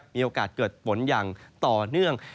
มีโอกาสเกิดฝนอย่างต่อเนื่อง